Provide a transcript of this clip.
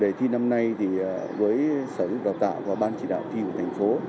đề thi năm nay thì với sở dục đào tạo và ban chỉ đạo thi của thành phố